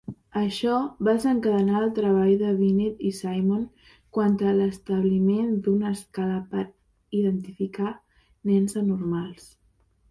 Açò va desencadenar el treball de Binet i Simon quant a l'establiment d'una escala per identificar nens anormals.